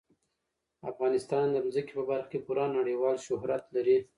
افغانستان د ځمکه په برخه کې پوره نړیوال شهرت لري.